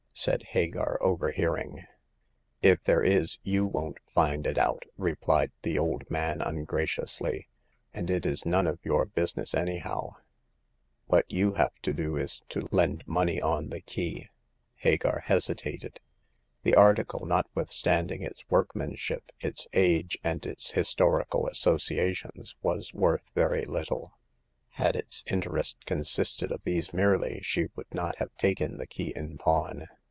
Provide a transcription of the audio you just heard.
said Hagar, overhearing. " If there is, you won't find it out,*' replied the old man, ungraciously; and it is none of your business, anyhow ! What you have to do is to lend money on the key." Hagar hesitated. The article, notwithstand ing its workmanship, its age, and its historical associations, was worth very little. Had its in terest consisted of these merely, she would not have taken the key in pawn.